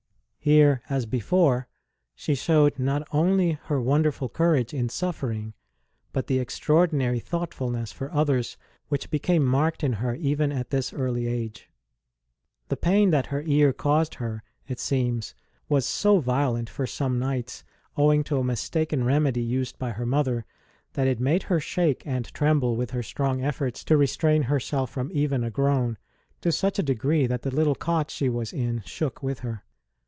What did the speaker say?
Here, as before, she showed not only her wonderful courage in suffering, but the extraordinary thoughtfulness for others which became marked in her even at this early age. The pain that her ear caused her, it seems, was so violent for some nights, owing to a mistaken remedy used by her mother, that it made her shake and tremble with her strong efforts to restrain herself from even a groan, to such a degree that the little cot she was in shook with her.